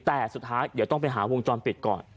แต่สุดท้ายเดี๋ยวต้องไปหาวงจรปิดก่อน